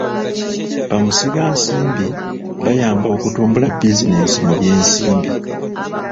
Bamusigansimbi bayamba okutumbala bisinensi mu by'ensimbi.